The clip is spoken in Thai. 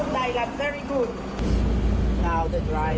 ไม่อยากไม่อยากอะไร